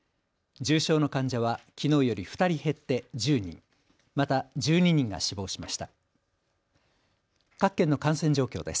重症の患者はきのうより２人減って１０人、また１２人が死亡しました。